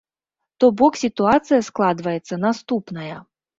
То бок сітуацыя складваецца наступная.